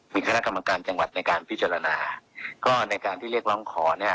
มีคณะกรรมการจังหวัดในการพิจารณาก็ในการที่เรียกร้องขอเนี่ย